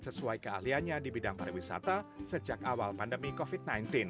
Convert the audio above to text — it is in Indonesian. sesuai keahliannya di bidang pariwisata sejak awal pandemi covid sembilan belas